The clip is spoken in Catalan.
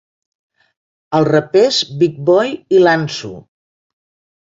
Els rapers Big Boi i Iamsu!